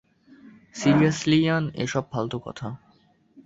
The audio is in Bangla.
সিরিয়ালি, ইয়ান, এসব ফালতু কথা।